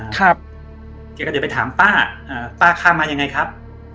แกก็เดี๋ยวไปถามป้าป้าข้ามมายังไงครับ